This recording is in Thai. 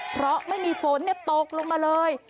เพราะไม่มีฝนตกลงมาเลย